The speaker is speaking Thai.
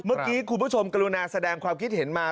เมื่อกี้คุณผู้ชมกรุณาแสดงความคิดเห็นมา